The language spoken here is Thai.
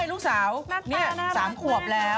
ลูกสาวน่ารักมากเลยอ่ะ